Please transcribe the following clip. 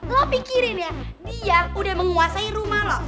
lo pikirin ya niar udah menguasai rumah lo